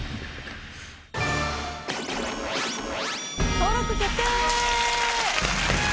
登録決定！